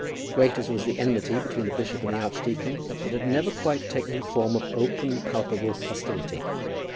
Great as was the enmity between the bishop and the archdeacon, it had never quite taken the form of open palpable hostility.